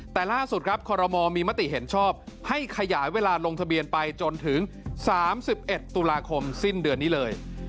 แต่ล่าสุดครับคอรมอลมีมติเห็นชอบให้ขยายเวลาลงทะเบียนไปจนถึง๓๑ตุลาคมสิ้นเดือนนี้เลย